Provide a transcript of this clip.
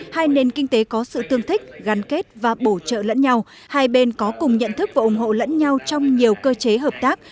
hai nền kinh tế có sự tương thích gắn kết và bổ trợ lẫn nhau hai bên có cùng nhận thức và ủng hộ lẫn nhau trong nhiều cơ chế hợp tác